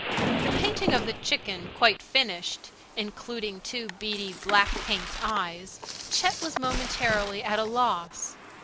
The painting of the chicken quite finished (including two beady black paint eyes) Chet was momentarily at a loss.